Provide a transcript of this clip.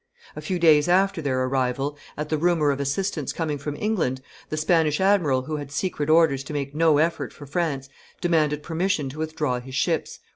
A few days after their arrival, at the rumor of assistance coming from England, the Spanish admiral, who had secret orders to make no effort for France, demanded permission to withdraw his ships.